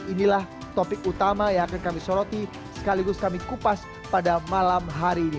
inilah topik utama yang akan kami soroti sekaligus kami kupas pada malam hari ini